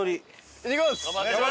いってきます！